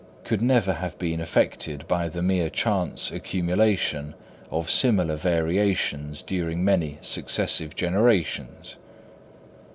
could never have been effected by the mere chance accumulation of similar variations during many successive generations.